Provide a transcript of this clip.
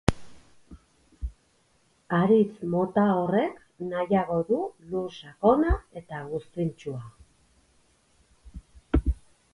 Haritz mota horrek nahiago du lur sakona eta buztintsua.